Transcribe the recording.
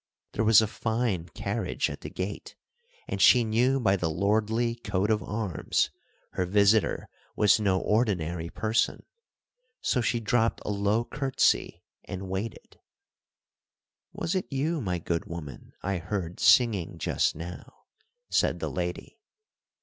There was a fine carriage at the gate, and she knew by the lordly coat of arms, her visitor was no ordinary person, so she dropped a low courtesy and waited. "Was it you, my good woman, I heard singing just now?" said the lady.